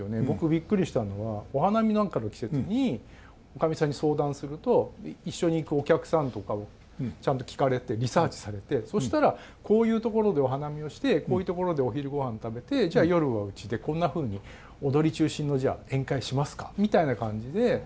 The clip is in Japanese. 僕びっくりしたのはお花見なんかの季節に女将さんに相談すると一緒に行くお客さんとかをちゃんと聞かれてリサーチされて「そしたらこういう所でお花見をしてこういう所でお昼ごはん食べてじゃあ夜はうちでこんなふうに踊り中心のじゃあ宴会しますか」みたいな感じで。